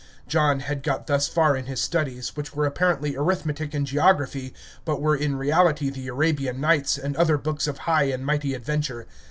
John had got thus far in his studies, which were apparently arithmetic and geography, but were in reality the Arabian Nights, and other books of high and mighty adventure.